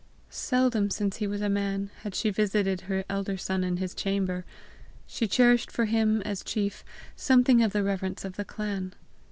Seldom since he was a man had she visited her elder son in his chamber. She cherished for him, as chief, something of the reverence of the clan.